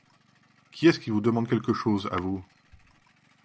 Qui est-ce qui vous demande quelque chose, à vous ?